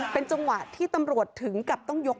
เป็นจังหวะที่ตำรวจถึงกับต้องยก